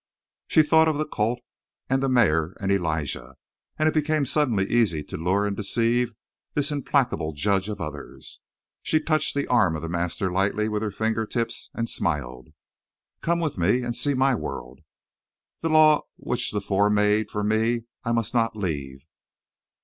She thought of the colt and the mare and Elijah; and it became suddenly easy to lure and deceive this implacable judge of others. She touched the arm of the master lightly with her finger tips and smiled. "Come with me, and see my world!" "The law which the four made for me I must not leave!"